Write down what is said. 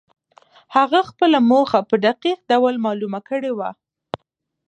هغه خپله موخه په دقيق ډول معلومه کړې وه.